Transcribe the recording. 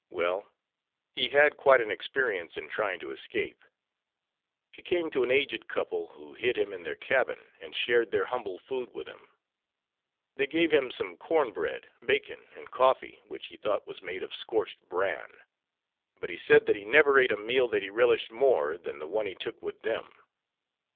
Well, he had quite an experience in trying to escape. He came to an aged couple, who hid him in their cabin and shared their humble food with him. They gave him some corn bread, bacon, and coffee which he thought was made of scorched bran. But he said that he never ate a meal that he relished more than the one he took with them.